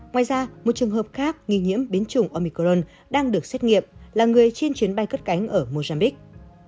ngoài ra một trường hợp khác nghi nhiễm biến chủng omicron đang được xét nghiệm là người trên chuyến bay cất cánh ở mozambique